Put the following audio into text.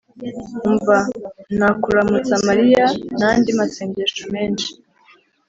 umva nakuramutsa maliya.......nandi masengesho menshi